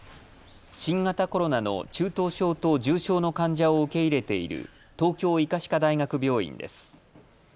新型コロナの中等症と重症の患者を受け入れている東京医科歯科大学病院です。